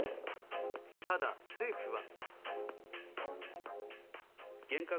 ただ、政府は。